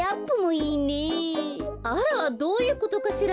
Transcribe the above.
あらどういうことかしら。